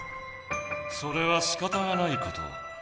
それはしかたがないこと。